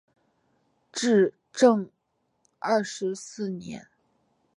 至正二十四年。